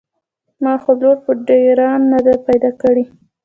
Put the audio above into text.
ما خو لور په ډېران نده پيدا کړې.